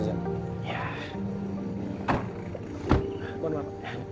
selamat pulang ibu rosa